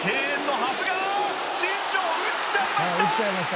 「打っちゃいました」